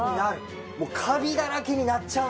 もうカビだらけになっちゃうんですよ！